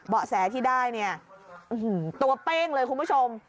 แสที่ได้เนี่ยตัวเป้งเลยคุณผู้ชม